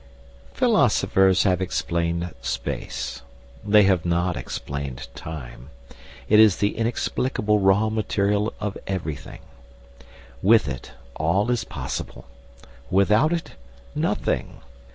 Philosophers have explained space. They have not explained time. It is the inexplicable raw material of everything. With it, all is possible; without it, nothing.